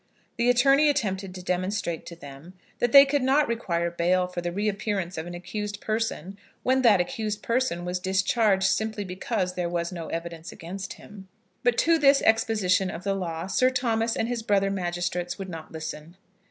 The attorney attempted to demonstrate to them that they could not require bail for the reappearance of an accused person, when that accused person was discharged simply because there was no evidence against him. But to this exposition of the law Sir Thomas and his brother magistrates would not listen.